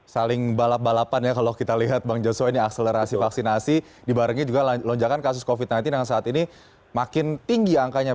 saling balap balapan ya kalau kita lihat bang joshua ini akselerasi vaksinasi dibarengi juga lonjakan kasus covid sembilan belas yang saat ini makin tinggi angkanya